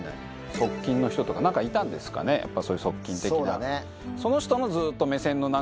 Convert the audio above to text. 側近の人とか、なんかいたんですかね、やっぱりそういう側近的な。